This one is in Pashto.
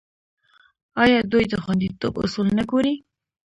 آیا دوی د خوندیتوب اصول نه ګوري؟